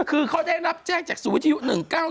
คือเขาได้รับแจ้งจากศูนย์วิทยุ๑๙๑